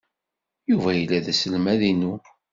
Yuba yella d aselmad-inu.